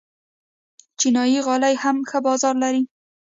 چینايي غالۍ هم ښه بازار لري.